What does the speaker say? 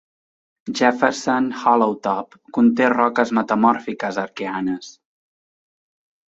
Jefferson-Hollowtop conté roques metamòrfiques arqueanes.